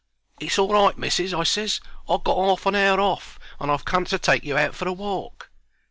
"'It's all right, missis,' I ses. 'I've got 'arf an hour off, and I've come to take you out for a walk.'